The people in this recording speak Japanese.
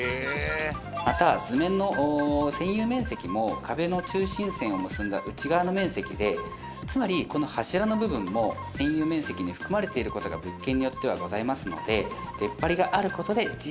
また図面の占有面積も壁の中心線を結んだ内側の面積でつまりこの柱の部分も占有面積に含まれていることが物件によってはございますので出っ張りがあることであっうそ！？